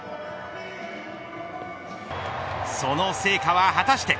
その成果は果たして。